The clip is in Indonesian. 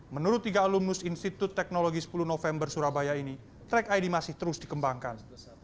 menurut tiga alumnus institut teknologi sepuluh november surabaya ini track id masih terus dikembangkan